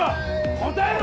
答えろ！